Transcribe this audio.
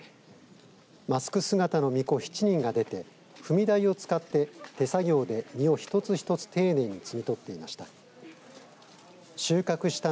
マスク姿のみこ７人が出て踏み台を使って手作業で実を一つ一つ丁寧に摘み取っていました。